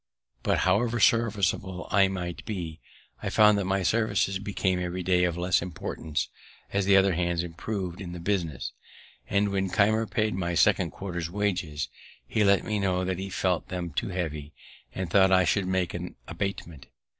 But, however serviceable I might be, I found that my services became every day of less importance, as the other hands improv'd in the business; and, when Keimer paid my second quarter's wages, he let me know that he felt them too heavy, and thought I should make an abatement.